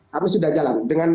kami sudah jalan